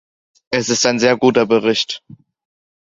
Es ist ein sehr guter Bericht.